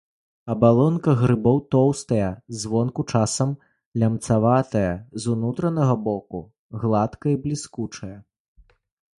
Абалонка грыбоў тоўстая, звонку часам лямцаватая, з унутранага боку гладкая і бліскучая.